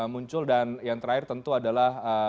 muncul dan yang terakhir tentu adalah